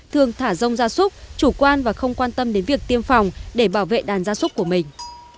thường thả rông gia súc chủ quan và không quan tâm đến việc tiêm phòng để bảo vệ đàn gia súc của mình